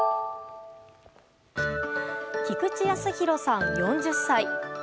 菊池康弘さん、４０歳。